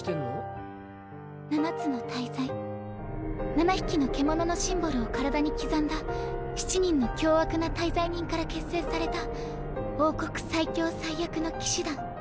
七匹の獣の印を体に刻んだ七人の凶悪な大罪人から結成された王国最強最悪の騎士団。